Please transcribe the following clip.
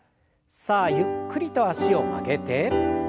さあゆっくりと脚を曲げて。